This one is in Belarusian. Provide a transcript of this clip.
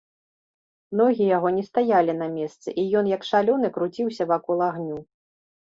Ногі яго не стаялі на месцы, і ён, як шалёны, круціўся вакол агню.